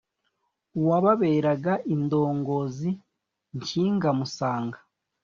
uwababeraga indongozi nkinga musanga